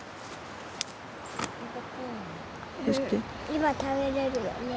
今食べれるよね。